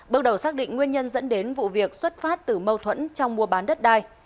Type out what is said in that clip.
bước đầu xác định nguyên nhân dẫn đến vụ việc xuất phát từ mâu thuẫn trong mua bán đất đai